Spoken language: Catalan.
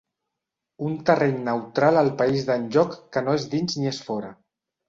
Un terreny neutral al país d'enlloc que no és dins ni és fora.